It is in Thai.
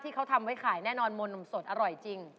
ที่เขาทำไว้ขายแน่นอนมนต์หนุ่มสดอร่อยจริง